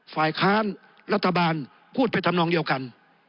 ฝ่ายค้านรัฐบาลพูดไปทำนองเดียวกัน